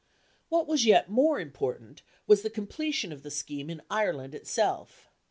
What was yet more important was the completion of the scheme in Ireland itself.